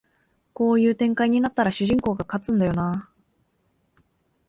こういう展開になったら主人公が勝つんだよなあ